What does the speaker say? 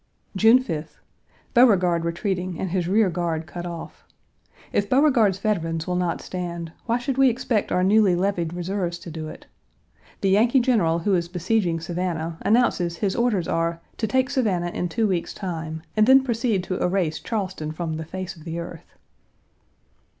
June 5th. Beauregard retreating and his rear guard cut off. If Beauregard's veterans will not stand, why should we expect our newly levied reserves to do it? The Yankee general who is besieging Savannah announces his orders are "to take Savannah in two weeks' time, and then proceed to erase Charleston from the face of the earth."